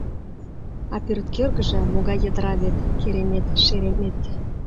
А пӧрткӧргыжӧ могай йытыра вет, керемет-шеремет!